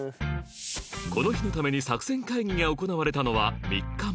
この日のために作戦会議が行われたのは３日前